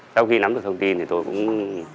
sau khi nắm được thông tin thì tôi cũng